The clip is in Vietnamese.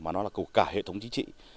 mà nó là của cả hệ thống chính trị